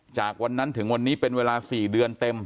จากวันนั้นถึงวันนี้เป็นเวลา๔เดือนเต็ม